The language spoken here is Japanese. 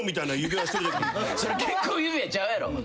それ結婚指輪ちゃうやろ。